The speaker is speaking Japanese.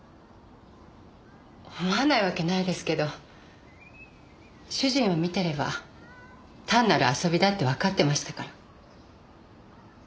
思わないわけないですけど主人を見てれば単なる遊びだってわかってましたから。